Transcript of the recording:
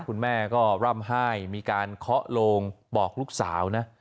คุณแม่ก็ร่ำไห้มีการเคาะโลงบอกลูกสาวนะ